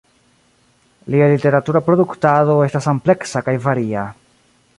Lia literatura produktado estas ampleksa kaj varia.